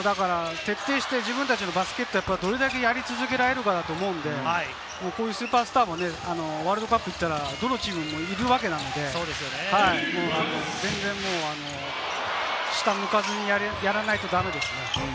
徹底して自分たちのバスケットをどれだけやり続けられるかだと思うので、スーパースターはバスケットボールワールドカップでは、どのチームにもいるわけなので、下を向かずにやらないと駄目ですね。